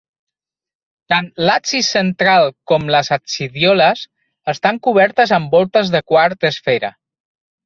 Tant l'absis central com les absidioles estan cobertes amb voltes de quart d'esfera.